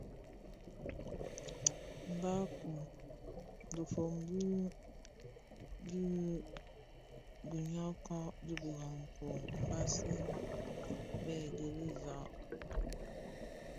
Barkun, dhifom di dhiguňakka di birakong mbasèn bè gil za.